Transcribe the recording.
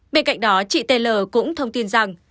bên cạnh đó chị taylor cũng thông tin rằng